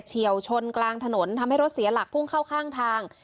เชี่ยวชนกลางถนนทำให้รถเสียหลักพุ่งเข้าข้างทาง